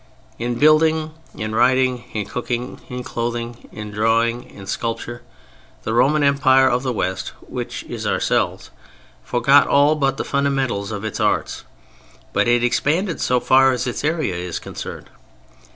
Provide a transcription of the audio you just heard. In building, in writing, in cooking, in clothing, in drawing, in sculpture, the Roman Empire of the West (which is ourselves) forgot all but the fundamentals of its arts—but it expanded so far as its area is concerned.